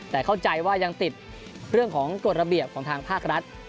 แต่เข้าใจว่ายังติดเรื่องของกฎระเบียบของทางภาครัฐ